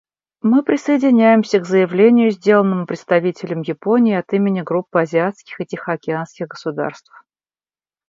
Мы присоединяемся к заявлению, сделанному представителем Японии от имени Группы азиатских и тихоокеанских государств.